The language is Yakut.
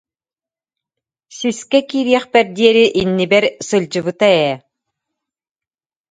Сискэ киириэхпэр диэри иннибэр сылдьыбыта ээ